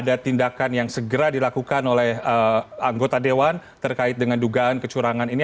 ada tindakan yang segera dilakukan oleh anggota dewan terkait dengan dugaan kecurangan ini